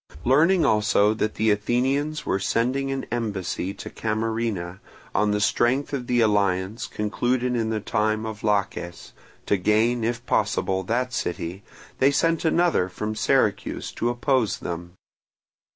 Learning also that the Athenians were sending an embassy to Camarina, on the strength of the alliance concluded in the time of Laches, to gain, if possible, that city, they sent another from Syracuse to oppose them.